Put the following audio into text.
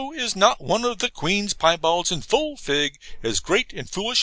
is not one of the Queen's Pyebalds, in full fig, as great and foolish a monster?